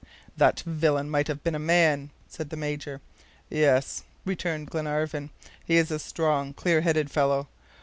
"That villain might have been a man," said the Major. "Yes," returned Glenarvan; "he is a strong, clear headed fellow.